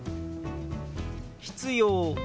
「必要」。